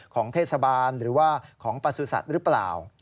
ของเทศบาลหรือว่าของประสุทธิ์หรือเปล่า